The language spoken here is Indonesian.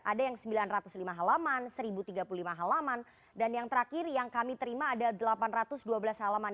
ada yang sembilan ratus lima halaman seribu tiga puluh lima halaman dan yang terakhir yang kami terima ada delapan ratus dua belas halaman